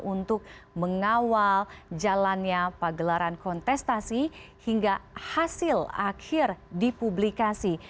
untuk mengawal jalannya pagelaran kontestasi hingga hasil akhir dipublikasi